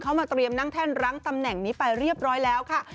เขามาเตรียมนั่งแท่นรั้งตำแหน่งนี้ไปเรียบร้อยแล้วค่ะ